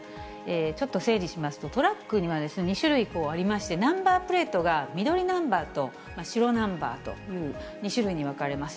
ちょっと整理しますと、トラックには２種類ありまして、ナンバープレートが緑ナンバーと白ナンバーという２種類に分かれます。